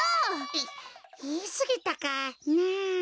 いいいすぎたかな。